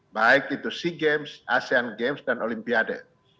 baik itu sea games asean games dan olimpiade